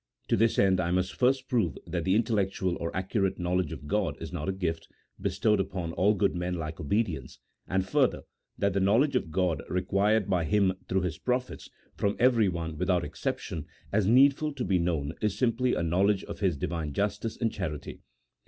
To this end I must first prove that the intellectual CHAP. XIII.] OF THE SIMPLICITY OF SCRIPTURE. 177 or accurate knowledge of God is not a gift, bestowed upon all good men like obedience ; and, further, that the know ledge of God, required by Him through His prophets from everyone without exception, as needful to be known, is simply a knowledge of His Divine justice and charity.